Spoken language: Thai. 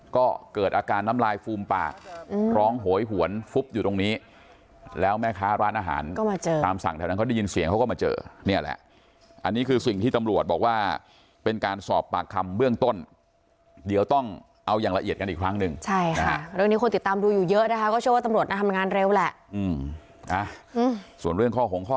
ก็เกิดอาการน้ำลายฟูมปากร้องโหยหวนฟุบอยู่ตรงนี้แล้วแม่ค้าร้านอาหารก็มาเจอตามสั่งแถวนั้นเขาได้ยินเสียงเขาก็มาเจอเนี่ยแหละอันนี้คือสิ่งที่ตำรวจบอกว่าเป็นการสอบปากคำเบื้องต้นเดี๋ยวต้องเอาอย่างละเอียดกันอีกครั้งหนึ่งใช่ค่ะเรื่องนี้คนติดตามดูอยู่เยอะนะคะก็เชื่อว่าตำรวจน่าทำงานเร็วแหละส่วนเรื่องข้อหงข้อ